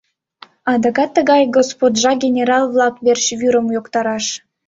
Адакат тыгай господжа генерал-влак верч вӱрым йоктараш.